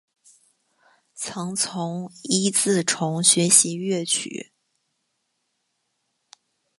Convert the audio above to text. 曾从尹自重学习粤曲。